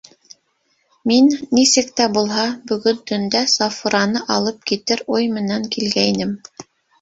Мин, нисек тә булһа, бөгөн төндә Сафураны алып китер уй менән килгәйнем.